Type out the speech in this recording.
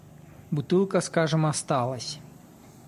Бутылка, скажем, осталась.